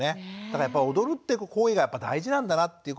だからやっぱり踊るって行為がやっぱ大事なんだなって。